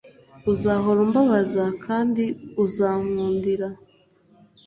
uzahora umbabaza, kandi uzankundira